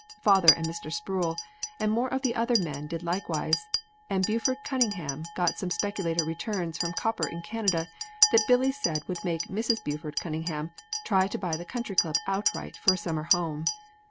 Father and Mr. Sproul and more of the other men did likewise and Buford Cunningham got some spectacular returns from copper in Canada that Billy said would make Mrs. Buford Cunningham try to buy the Country Club outright for a summer home.